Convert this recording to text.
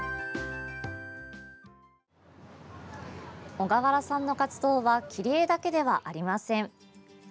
小河原さんの活動は木り絵だけではありません。